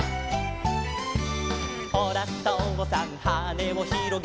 「ほらとうさんはねをひろげて」